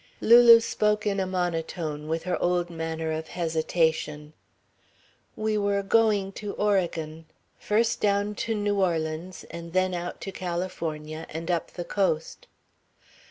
Lulu spoke in a monotone, with her old manner of hesitation: "We were going to Oregon. First down to New Orleans and then out to California and up the coast."